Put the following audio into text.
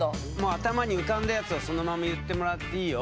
頭に浮かんだやつをそのまま言ってもらっていいよ。